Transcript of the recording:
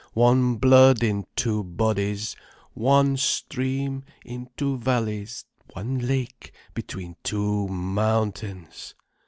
One blood, in two bodies; one stream, in two valleys: one lake, between two mountains."